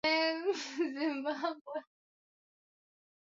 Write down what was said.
hamed najad kuondoka madarakani kwa kile kinachoelezwa kuwa